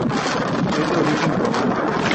Es de origen romano.